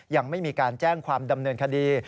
ยังไม่มีการแจ้งความดำเนินคดี